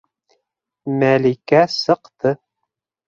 Мәликә сыҡты.